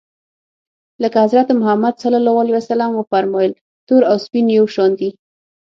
لکه حضرت محمد ص و فرمایل تور او سپین یو شان دي.